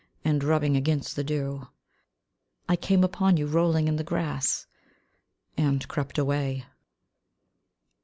And rubbing against the dew. I came upon you rolling in the grass And crept away.